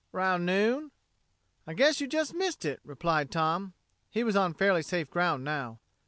"'Round noon." "I guess you just missed it," replied Tom. He was on fairly safe ground now.